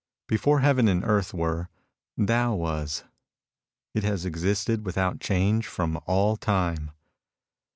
Before heaven and earth were, Tao was. It has existed without change from all time.